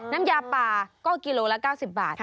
น้ำยาป่าก็กิโลละ๙๐บาท